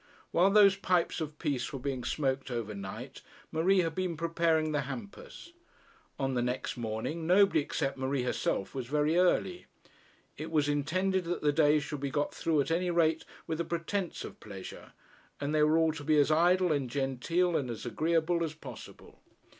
While those pipes of peace were being smoked over night, Marie had been preparing the hampers. On the next morning nobody except Marie herself was very early. It was intended that the day should be got through at any rate with a pretence of pleasure, and they were all to be as idle, and genteel, and agreeable as possible.